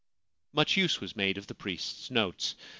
Much use was made of the priest's notes.